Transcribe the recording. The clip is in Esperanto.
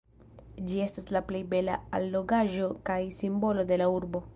Ĝi estas la plej bela allogaĵo kaj simbolo de la urbo.